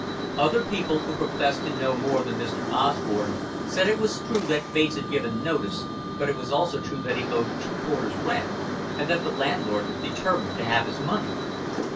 Other people, who professed to know more than Mr. Osborn, said it was true that Bates had given notice, but it was also true that he owed two quarters' rent and that the landlord was determined to have his money.